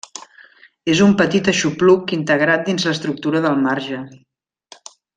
És un petit aixopluc integrat dins l'estructura del marge.